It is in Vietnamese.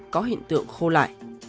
tử thi được khô lại